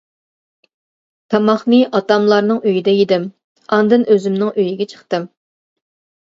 تاماقنى ئاتاملارنىڭ ئۆيىدە يېدىم، ئاندىن ئۆزۈمنىڭ ئۆيىگە چىقتىم.